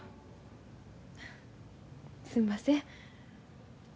すんません。